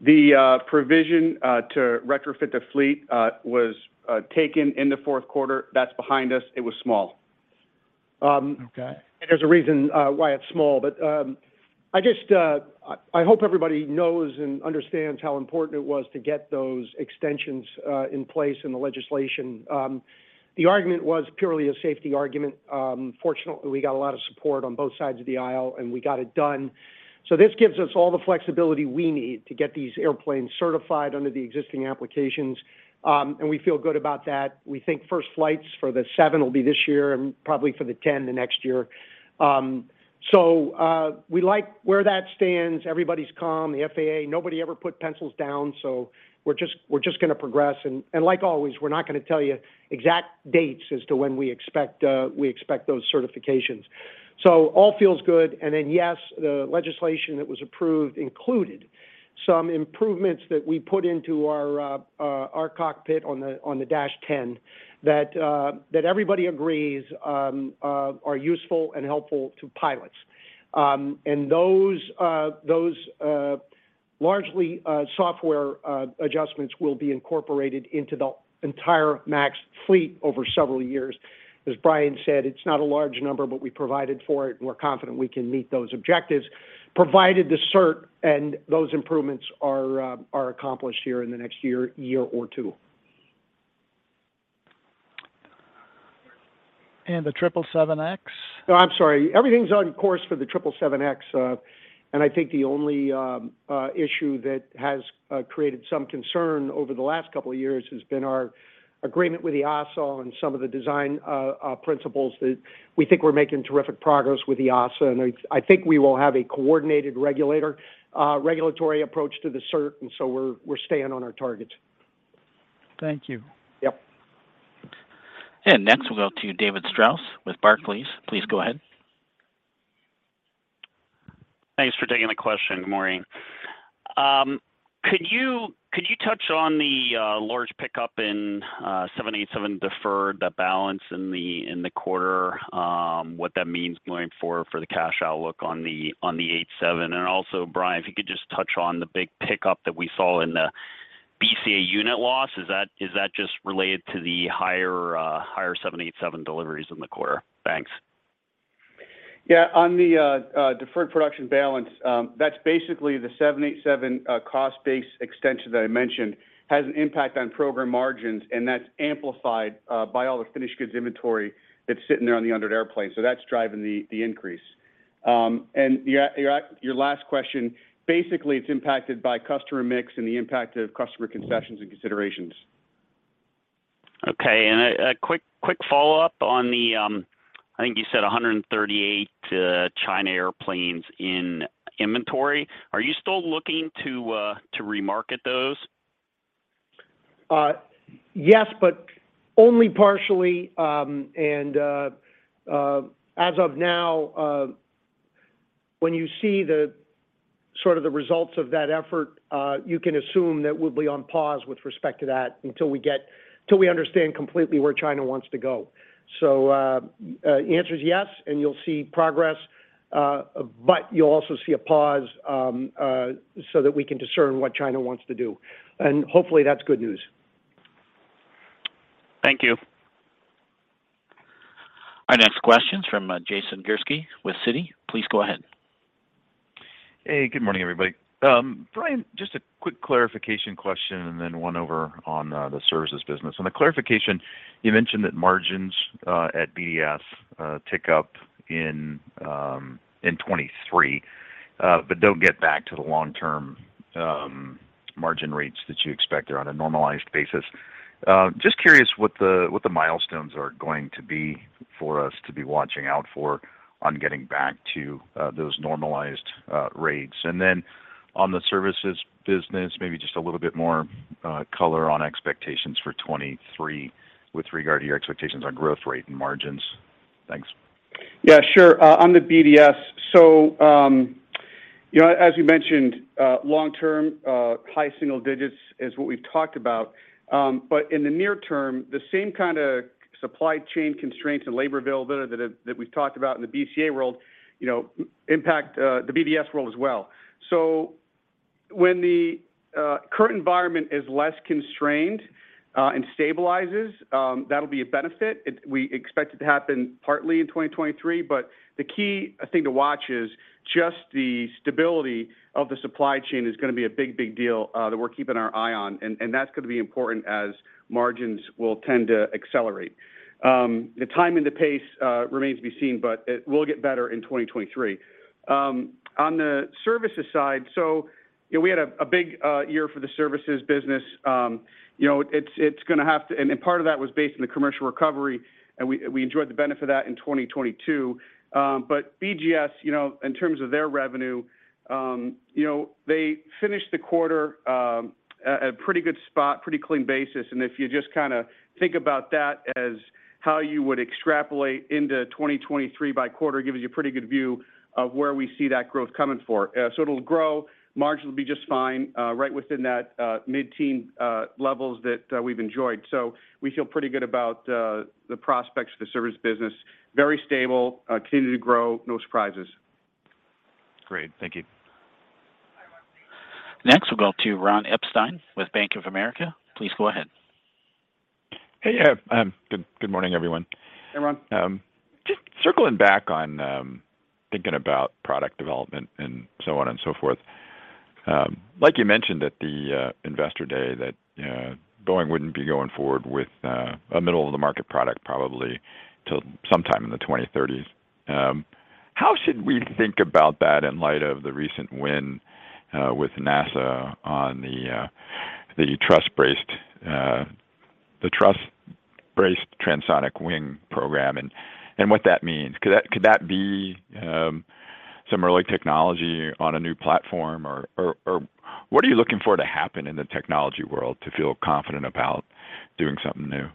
[SPEAKER 3] The provision to retrofit the fleet was taken in the fourth quarter. That's behind us. It was small.
[SPEAKER 11] Okay.
[SPEAKER 3] There's a reason why it's small. I just, I hope everybody knows and understands how important it was to get those extensions in place in the legislation. The argument was purely a safety argument. Fortunately, we got a lot of support on both sides of the aisle, and we got it done. This gives us all the flexibility we need to get these airplanes certified under the existing applications. We feel good about that. We think first flights for the 7 will be this year and probably for the 10, the next year. We like where that stands. Everybody's calm. The FAA, nobody ever put pencils down, so we're just gonna progress. Like always, we're not gonna tell you exact dates as to when we expect those certifications. All feels good. Yes, the legislation that was approved included some improvements that we put into our cockpit on the 737 MAX 10 that everybody agrees are useful and helpful to pilots. Those largely software adjustments will be incorporated into the entire MAX fleet over several years. As Brian West said, it's not a large number, but we provided for it, and we're confident we can meet those objectives, provided the cert and those improvements are accomplished here in the next year or two.
[SPEAKER 11] And the 777X?
[SPEAKER 3] No, I'm sorry. Everything's on course for the 777X. I think the only issue that has created some concern over the last couple of years has been our agreement with the EASA and some of the design principles that we think we're making terrific progress with EASA. I think we will have a coordinated regulator, regulatory approach to the cert, and so we're staying on our targets.
[SPEAKER 11] Thank you.
[SPEAKER 3] Yep.
[SPEAKER 1] Next we'll go to David Strauss with Barclays. Please go ahead.
[SPEAKER 12] Thanks for taking the question. Good morning. Could you touch on the large pickup in 787 deferred, the balance in the quarter, what that means going forward for the cash outlook on the 787? Also Brian, if you could just touch on the big pickup that we saw in the BCA unit loss. Is that just related to the higher 787 deliveries in the quarter? Thanks.
[SPEAKER 4] Yeah. On the deferred production balance, that's basically the 787 cost base extension that I mentioned, has an impact on program margins, and that's amplified by all the finished goods inventory that's sitting there on the undelivered airplanes. That's driving the increase. Your last question, basically it's impacted by customer mix and the impact of customer concessions and considerations.
[SPEAKER 12] Okay. a quick follow-up on the, I think you said 138 China airplanes in inventory. Are you still looking to remarket those?
[SPEAKER 3] Yes, but only partially. As of now, when you see the sort of the results of that effort, you can assume that we'll be on pause with respect to that till we understand completely where China wants to go. The answer is yes, and you'll see progress, but you'll also see a pause, so that we can discern what China wants to do. Hopefully, that's good news.
[SPEAKER 12] Thank you.
[SPEAKER 1] Our next question's from Jason Gursky with Citi. Please go ahead.
[SPEAKER 13] Hey, good morning, everybody. Brian, just a quick clarification question and then one over on the services business. On the clarification, you mentioned that margins at BDS tick up in 2023, but don't get back to the long-term margin rates that you expect there on a normalized basis. Just curious what the milestones are going to be for us to be watching out for on getting back to those normalized rates. Then on the services business, maybe just a little bit more color on expectations for 2023 with regard to your expectations on growth rate and margins. Thanks.
[SPEAKER 3] Yeah, sure. On the BDS, you know, as you mentioned, long term, high single digits is what we've talked about. In the near term, the same kind of supply chain constraints and labor availability that we've talked about in the BCA world, you know, impact the BDS world as well. When the current environment is less constrained and stabilizes, that'll be a benefit. We expect it to happen partly in 2023, but the key, I think, to watch is just the stability of the supply chain is gonna be a big deal that we're keeping our eye on, and that's gonna be important as margins will tend to accelerate. The timing and the pace remains to be seen, but it will get better in 2023. On the services side, so, you know, we had a big year for the services business. You know, part of that was based on the commercial recovery, and we enjoyed the benefit of that in 2022. BGS, you know, in terms of their revenue, you know, they finished the quarter at a pretty good spot, pretty clean basis. If you just kinda think about that as how you would extrapolate into 2023 by quarter, it gives you a pretty good view of where we see that growth coming for. It'll grow. Margins will be just fine, right within that mid-teen levels that we've enjoyed. We feel pretty good about the prospects for the services business. Very stable, continuing to grow, no surprises.
[SPEAKER 13] Great. Thank you.
[SPEAKER 1] Next, we'll go to Ronald Epstein with Bank of America. Please go ahead.
[SPEAKER 14] Yeah. Good morning, everyone.
[SPEAKER 3] Hey, Ron.
[SPEAKER 14] Just circling back on thinking about product development and so on and so forth. You mentioned at the Investor Day that Boeing wouldn't be going forward with a middle-of-the-market product probably till sometime in the 2030s. How should we think about that in light of the recent win with NASA on the Transonic Truss-Braced Wing program and what that means? Could that be some early technology on a new platform? What are you looking for to happen in the technology world to feel confident about doing something new?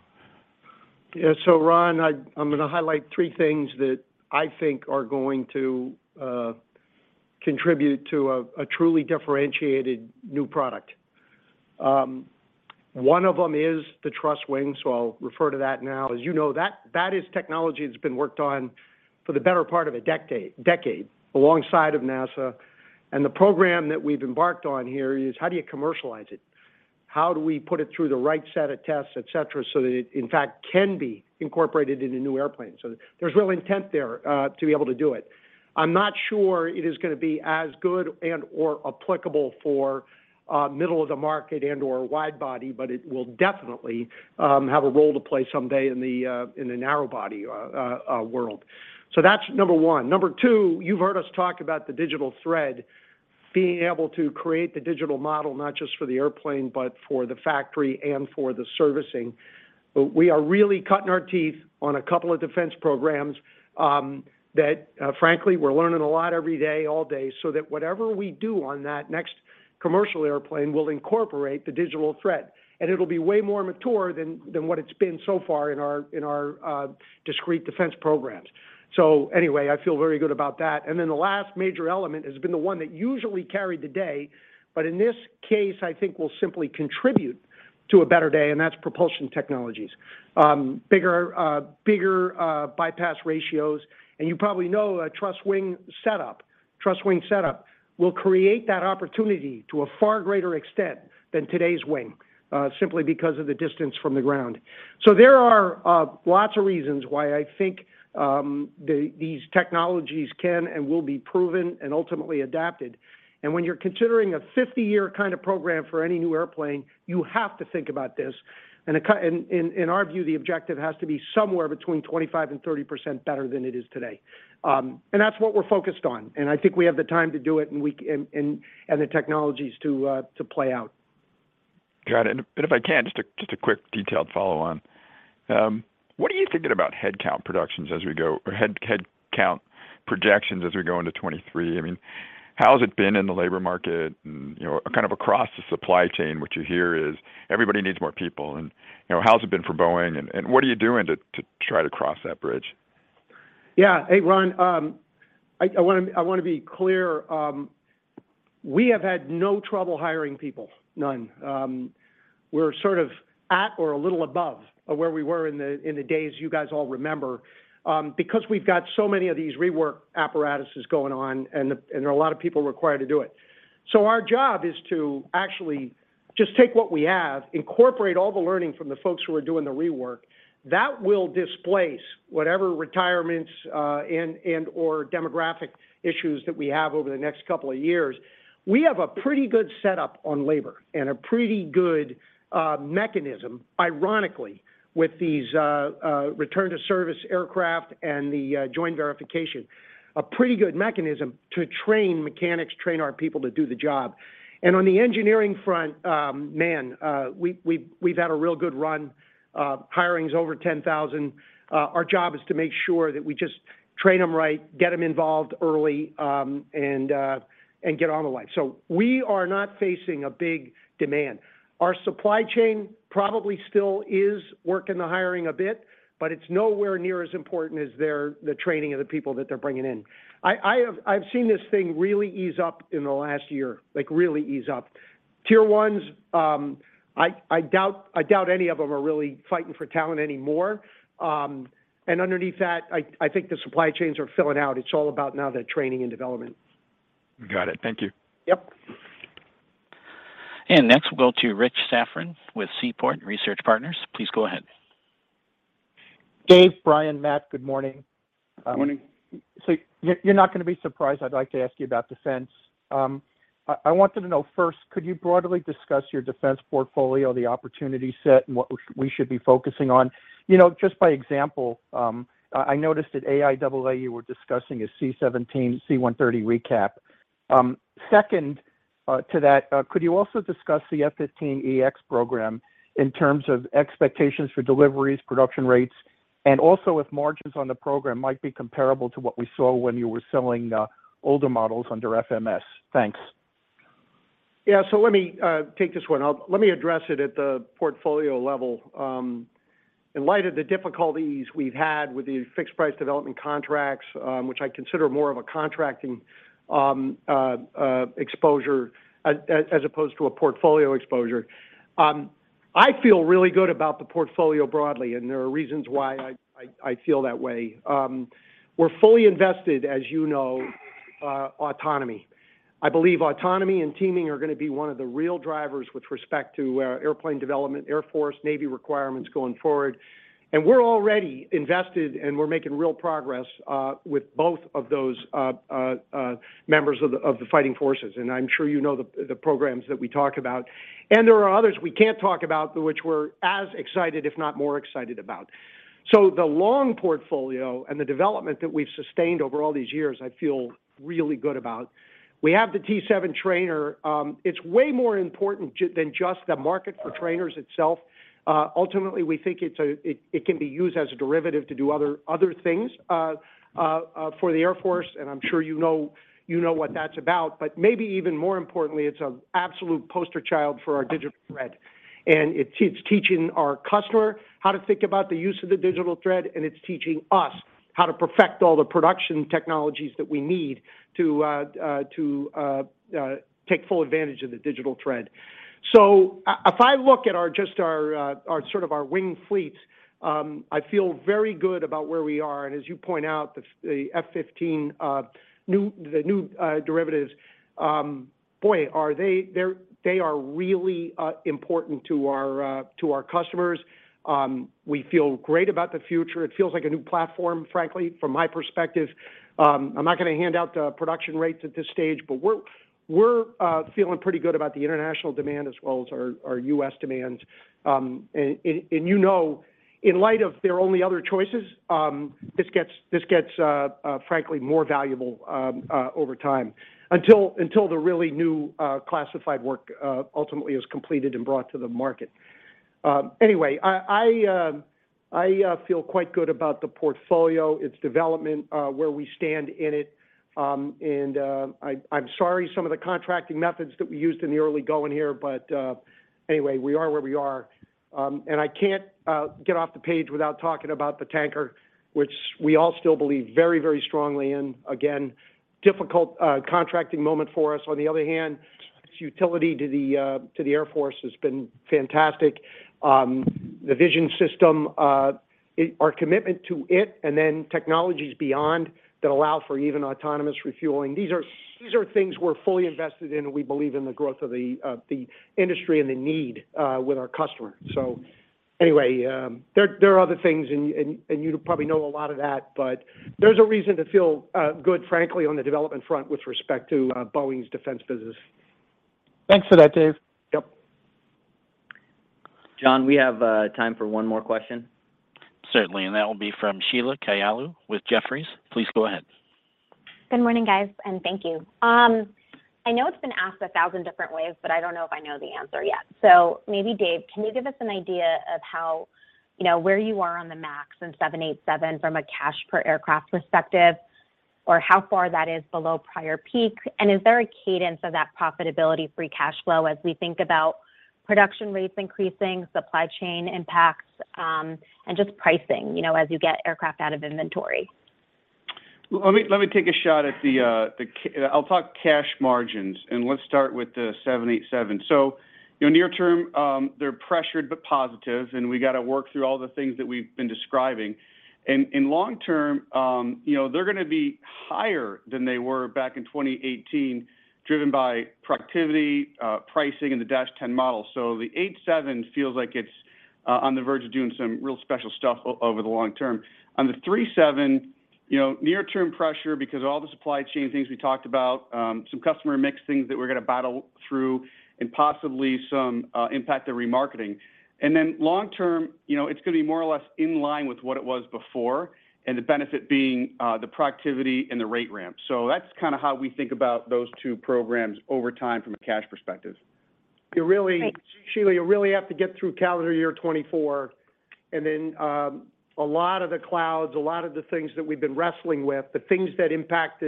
[SPEAKER 3] Yeah. Ron, I'm gonna highlight three things that I think are going to contribute to a truly differentiated new product. One of them is the truss wing, so I'll refer to that now. As you know, that is technology that's been worked on for the better part of a decade alongside of NASA. The program that we've embarked on here is, how do you commercialize it? How do we put it through the right set of tests, et cetera, so that it, in fact, can be incorporated in a new airplane? There's real intent there to be able to do it. I'm not sure it is gonna be as good and/or applicable for, middle of the market and/or wide-body, but it will definitely, have a role to play someday in the, in the narrow-body world. That's number one. Number two, you've heard us talk about the digital thread, being able to create the digital model not just for the airplane, but for the factory and for the servicing. We are really cutting our teeth on a couple of defense programs, that, frankly, we're learning a lot every day, all day, so that whatever we do on that next commercial airplane will incorporate the digital thread. It'll be way more mature than what it's been so far in our discrete defense programs. Anyway, I feel very good about that. The last major element has been the one that usually carried the day, but in this case, I think will simply contribute to a better day, and that's propulsion technologies. bigger bypass ratios, and you probably know a truss-wing setup. Truss-wing setup will create that opportunity to a far greater extent than today's wing, simply because of the distance from the ground. There are lots of reasons why I think these technologies can and will be proven and ultimately adapted. When you're considering a 50-year kind of program for any new airplane, you have to think about this. In our view, the objective has to be somewhere between 25% and 30% better than it is today. That's what we're focused on. I think we have the time to do it, and the technologies to play out.
[SPEAKER 14] Got it. If I can, just a quick detailed follow on. What are you thinking about headcount projections as we go into 2023? I mean, how has it been in the labor market and, you know, kind of across the supply chain, what you hear is everybody needs more people and, you know, how's it been for Boeing and what are you doing to try to cross that bridge?
[SPEAKER 3] Yeah. Hey, Ron, I wanna be clear, we have had no trouble hiring people. None. We're sort of at or a little above of where we were in the days you guys all remember, because we've got so many of these rework apparatuses going on and there are a lot of people required to do it. Our job is to actually just take what we have, incorporate all the learning from the folks who are doing the rework. That will displace whatever retirements, and/or demographic issues that we have over the next couple of years. We have a pretty good setup on labor and a pretty good mechanism, ironically, with these return to service aircraft and the joint verification. A pretty good mechanism to train mechanics, train our people to do the job. On the engineering front, we've had a real good run, hirings over 10,000. Our job is to make sure that we just train them right, get them involved early, and get on the line. We are not facing a big demand. Our supply chain probably still is working the hiring a bit, but it's nowhere near as important as the training of the people that they're bringing in. I've seen this thing really ease up in the last year, like really ease up. Tier ones, I doubt any of them are really fighting for talent anymore. Underneath that, I think the supply chains are filling out. It's all about now the training and development.
[SPEAKER 14] Got it. Thank you.
[SPEAKER 3] Yep.
[SPEAKER 1] Next, we'll go to Rich Safran with Seaport Research Partners. Please go ahead.
[SPEAKER 15] Dave, Brian, Matt, good morning.
[SPEAKER 3] Good morning.
[SPEAKER 15] You're not gonna be surprised. I'd like to ask you about defense. I wanted to know first, could you broadly discuss your defense portfolio, the opportunity set, and what we should be focusing on? You know, just by example, I noticed at AIAA, you were discussing a C-17, C-130 recap. Second, to that, could you also discuss the F-15EX program in terms of expectations for deliveries, production rates, and also if margins on the program might be comparable to what we saw when you were selling older models under FMS? Thanks.
[SPEAKER 3] Yeah. Let me take this one. Let me address it at the portfolio level. In light of the difficulties we've had with the fixed price development contracts, which I consider more of a contracting exposure as opposed to a portfolio exposure, I feel really good about the portfolio broadly, and there are reasons why I feel that way. We're fully invested, as you know, autonomy. I believe autonomy and teaming are gonna be one of the real drivers with respect to airplane development, Air Force, Navy requirements going forward. We're already invested, and we're making real progress with both of those members of the fighting forces. I'm sure you know the programs that we talk about. There are others we can't talk about, but which we're as excited, if not more excited about. The long portfolio and the development that we've sustained over all these years, I feel really good about. We have the T-7 trainer. It's way more important than just the market for trainers itself. Ultimately, we think it can be used as a derivative to do other things for the Air Force, and I'm sure you know what that's about. Maybe even more importantly, it's an absolute poster child for our digital thread. It's teaching our customer how to think about the use of the digital thread, and it's teaching us how to perfect all the production technologies that we need to take full advantage of the digital thread. If I look at our, just our sort of our wing fleets, I feel very good about where we are. As you point out, the F-15, new, the new derivatives, boy, they are really important to our to our customers. We feel great about the future. It feels like a new platform, frankly, from my perspective. I'm not gonna hand out the production rates at this stage, but we're feeling pretty good about the international demand as well as our U.S. demands. And you know, in light of their only other choices, this gets frankly more valuable over time until the really new classified work ultimately is completed and brought to the market. Anyway, I feel quite good about the portfolio, its development, where we stand in it. I'm sorry some of the contracting methods that we used in the early going here, but, anyway, we are where we are. I can't get off the page without talking about the tanker, which we all still believe very, very strongly in. Again, difficult contracting moment for us. On the other hand, its utility to the to the Air Force has been fantastic. The vision system, our commitment to it, and then technologies beyond that allow for even autonomous refueling, these are things we're fully invested in and we believe in the growth of the of the industry and the need with our customer. There are other things and you probably know a lot of that. There's a reason to feel good, frankly, on the development front with respect to Boeing's defense business.
[SPEAKER 15] Thanks for that, Dave.
[SPEAKER 3] Yep.
[SPEAKER 2] John, we have time for one more question.
[SPEAKER 1] Certainly, that will be from Sheila Kahyaoglu with Jefferies. Please go ahead.
[SPEAKER 16] Good morning, guys, and thank you. I know it's been asked 1,000 different ways, but I don't know if I know the answer yet. Maybe Dave, can you give us an idea of how, you know, where you are on the MAX and 787 from a cash per aircraft perspective, or how far that is below prior peak? Is there a cadence of that profitability Free Cash Flow as we think about production rates increasing, supply chain impacts, and just pricing, you know, as you get aircraft out of inventory?
[SPEAKER 4] I'll talk cash margins, and let's start with the 787. You know, near term, they're pressured but positive, and we gotta work through all the things that we've been describing, and long term, you know, they're gonna be higher than they were back in 2018 driven by productivity, pricing and the -10 model. The 787 feels like it's on the verge of doing some real special stuff over the long term. On the 737, you know, near term pressure because of all the supply chain things we talked about, some customer mix things that we're gonna battle through and possibly some impact to remarketing. Long term, you know, it's gonna be more or less in line with what it was before, the benefit being, the productivity and the rate ramp. That's kind of how we think about those two programs over time from a cash perspective.
[SPEAKER 16] Great.
[SPEAKER 3] You really, Sheila, you really have to get through calendar year 2024 and then a lot of the clouds, a lot of the things that we've been wrestling with, the things that impact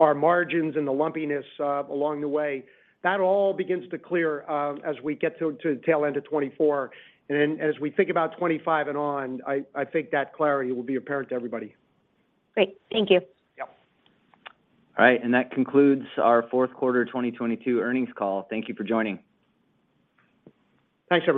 [SPEAKER 3] our margins and the lumpiness along the way, that all begins to clear as we get to the tail end of 2024. As we think about 2025 and on, I think that clarity will be apparent to everybody.
[SPEAKER 16] Great. Thank you.
[SPEAKER 3] Yep.
[SPEAKER 2] All right, that concludes our fourth quarter 2022 earnings call. Thank you for joining.
[SPEAKER 3] Thanks, everyone.